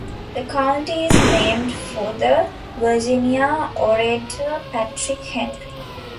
The county is named for the Virginia orator Patrick Henry.